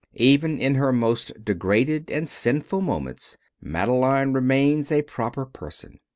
Even in her most degraded and sinful moments, Madeleine remains a proper person.